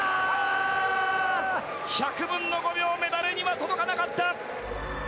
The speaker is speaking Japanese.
１００分の５秒メダルには届かなかった。